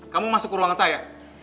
kamu masuk ke ruangan saya